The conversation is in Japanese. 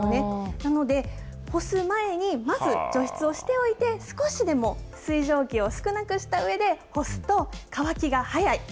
なので、干す前にまず除湿をしておいて、少しでも水蒸気を少なくしたうえで干すと、乾きが早い。